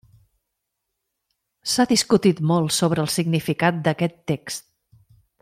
S'ha discutit molt sobre el significat d'aquest text.